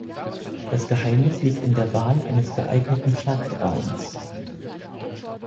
Das Geheimnis liegt in der Wahl eines geeigneten Farbraums.